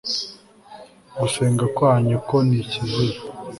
gusenga kwanyu ko ni ikizira